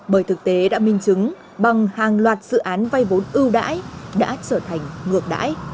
bởi thực tế đã minh chứng bằng hàng loạt dự án vay vốn ưu đãi đã trở thành ngược đãi